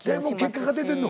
結果が出てんの？